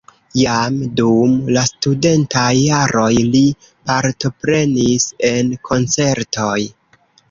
Jam dum la studentaj jaroj li partoprenis en koncertoj.